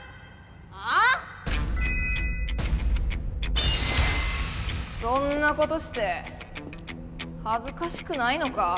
あ⁉そんなことしてはずかしくないのか？